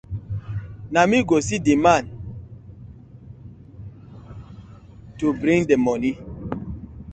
Na mi go see the man dey to bting dii moni.